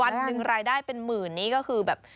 วันหนึ่งรายได้เป็นหมื่นนี่ก็คือแบบ